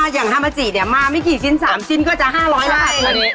อย่างธรรมจิษฐ์เนี่ยมาไม่กี่ชิ้น๓ชิ้นก็จะ๕๐๐บาท